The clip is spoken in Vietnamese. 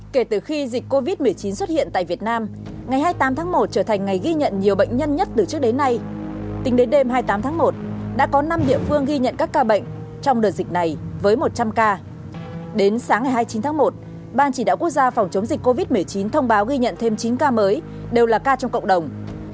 kể từ khi dịch covid một mươi chín xuất hiện tại việt nam ngày hai mươi tám tháng một trở thành ngày ghi nhận nhiều bệnh nhân nhất từ trước đến nay tính đến đêm hai mươi tám tháng một đã có năm địa phương ghi nhận các ca bệnh trong đợt dịch này với một trăm linh ca đến sáng ngày hai mươi chín tháng một ban chỉ đạo quốc gia phòng chống dịch covid một mươi chín thông báo ghi nhận thêm chín ca mới đều là ca trong cộng đồng